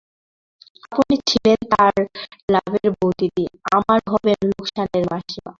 আপনি ছিলেন তাঁর লাভের বউদিদি, আমার হবেন লোকসানের মাসিমা।